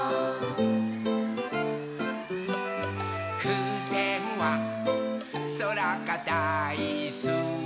「ふうせんはそらがだいすき」